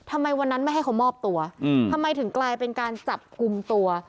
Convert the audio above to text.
ทำไมวันนั้นไม่ให้เขามอบตัวทำไมถึงกลายเป็นการจับกลุ่มตัว